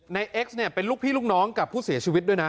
เอ็กซเนี่ยเป็นลูกพี่ลูกน้องกับผู้เสียชีวิตด้วยนะ